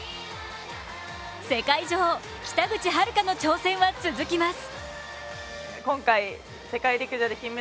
世界女王・北口榛花の挑戦は続きます。